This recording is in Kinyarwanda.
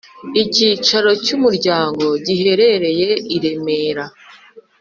Icyicaro cy umuryango giherereye i Remera